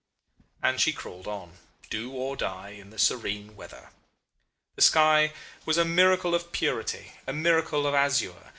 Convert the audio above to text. "And she crawled on, do or die, in the serene weather. The sky was a miracle of purity, a miracle of azure.